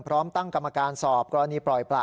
พร้อมตั้งกรรมการสอบกรณีปล่อยประ